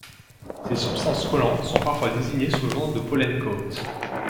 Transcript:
Ces substances collantes sont parfois désignées sous le nom de pollencoat.